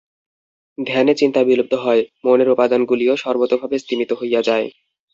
ধ্যানে চিন্তা বিলুপ্ত হয়, মনের উপাদানগুলিও সর্বতোভাবে স্তিমিত হইয়া যায়।